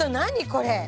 これ。